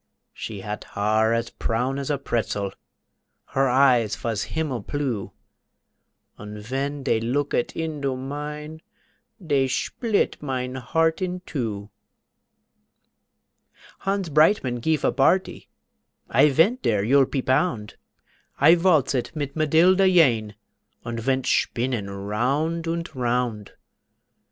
She hat haar as prown ash a pretzel, Her eyes vas himmel plue, Und ven dey looket indo mine, Dey shplit mine heart in two. Hans Breitmann gife a barty, I vent dere you'll pe pound. I valtzet mit Madilda Yane Und vent shpinnen round und round.